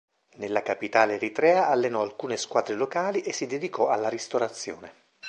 Nella capitale eritrea allenò alcune squadre locali e si dedicò alla ristorazione.